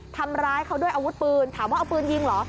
ทำร้ายเขาด้วยอาวุธปืนถามว่าเอาปืนยิงเหรอ